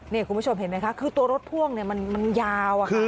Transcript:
นี่คุณผู้ชมเห็นไหมคะคือตัวรถพ่วงเนี่ยมันยาวอะค่ะ